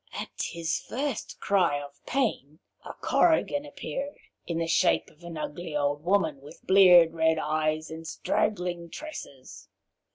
At his first cry of pain a Korrigan appeared, in the shape of an ugly old woman with bleared red eyes and straggling tresses.